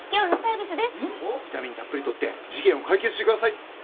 ビタミンたっぷりとって事件を解決してください！